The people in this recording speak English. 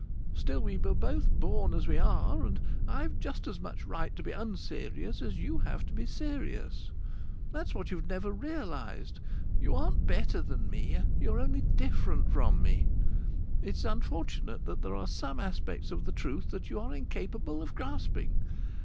Still, we were both born as we are, and I've just as much right to be unserious as you have to be serious. That's what you've never realized. You aren't better than me; you're only different from me. It is unfortunate that there are some aspects of the truth that you are incapable of grasping.